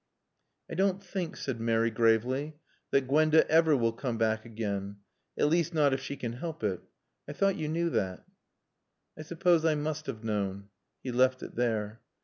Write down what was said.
"I don't think," said Mary gravely, "that Gwenda ever will come back again. At least not if she can help it. I thought you knew that." "I suppose I must have known." He left it there.